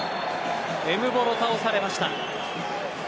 エムボロが倒されました。